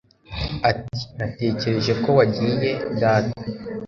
Ati: "Natekereje ko wagiye, Data".